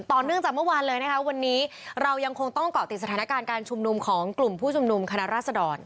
ต่อเนื่องจากเมื่อวานเลยนะคะวันนี้เรายังคงต้องเกาะติดสถานการณ์การชุมนุมของกลุ่มผู้ชุมนุมคณะราษดร